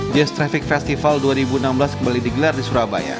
jas traffic festival dua ribu enam belas kembali digelar di surabaya